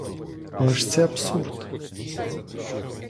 Але ж це — абсурд!